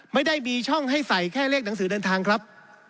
ไม่ได้มีช่องให้ใส่แค่เลขหนังสือเดินทางครับ